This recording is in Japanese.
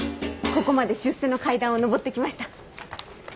ここまで出世の階段を上って来ました。